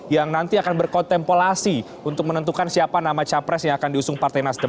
yang nanti akan berkontemplasi untuk menentukan siapa nama capres yang akan diusung partai nasdem